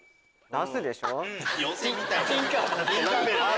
出すでしょ！